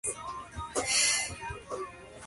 That team was composed only of players born in Arilje.